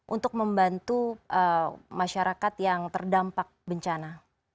untuk membantu masyarakat yang terdampak bencana